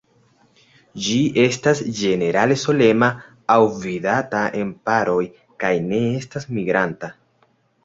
Ĝi estas ĝenerale solema aŭ vidata en paroj kaj ne estas migranta.